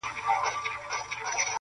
خو نه بینا سول نه یې سترګي په دعا سمېږي-